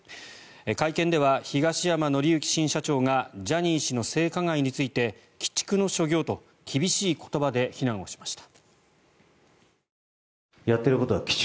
会見では東山紀之新社長がジャニー氏の性加害について鬼畜の所業と厳しい言葉で非難をしました。